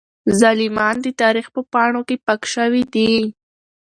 ظالمان د تاريخ په پاڼو کې پاک شوي دي.